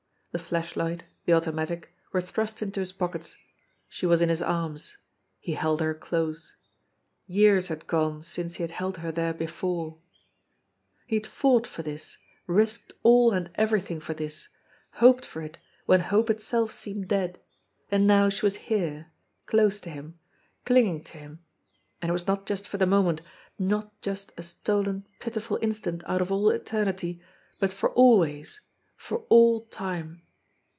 The flashlight, the automatic, were thrust into his pockets. She was in his arms. He held her close. Years had gone since he had held her there before ! He had fought for this, risked all and everything for this, hoped for it when hope itself seemed dead, and now she was here, close to him, cling THE PANELLED WALL 117 ing to him and it was not just for the moment, not just a stolen, pitiful instant out of all eternity, but for always, for all time.